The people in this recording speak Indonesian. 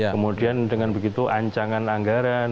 kemudian dengan begitu ancangan anggaran